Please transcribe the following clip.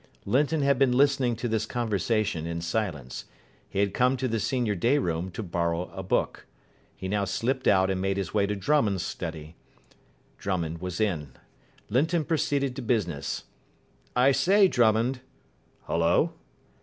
Linton had been listening to this conversation in silence. He had come to the senior day room to borrow a book. He now slipped out, and made his way to Drummond's study. Drummond was in. Linton proceeded to business. "I say, Drummond." "Hullo?"